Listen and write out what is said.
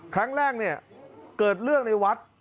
ครั้งแรกเนี่ยเกิดเรื่องในวัด